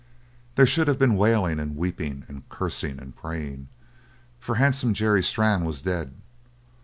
There should have been wailing and weeping and cursing and praying, for handsome Jerry Strann was dead.